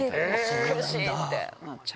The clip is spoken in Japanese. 苦しいってなっちゃう？